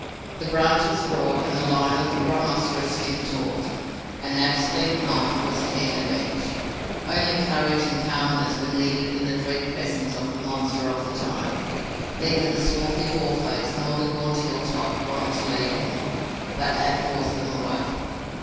The branch was broad and the line of rhinoceros skin taut, and Ab's flint knife was keen of edge. Only courage and calmness were needed in the dread presence of the monster of the time. Neither the swarthy Boarface nor the gaunt Hilltop wanted to leave him, but Ab forced them away.